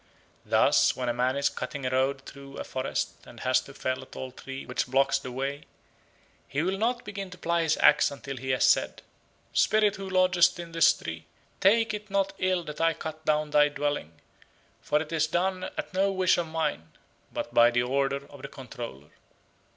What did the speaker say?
Thus when a man is cutting a road through a forest and has to fell a tall tree which blocks the way, he will not begin to ply his axe until he has said: "Spirit who lodgest in this tree, take it not ill that I cut down thy dwelling, for it is done at no wish of mine but by order of the Controller."